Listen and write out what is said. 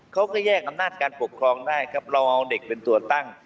เขาก็แยกอำนาจการปกครองได้ครับเราเอาเด็กเป็นตัวตั้ง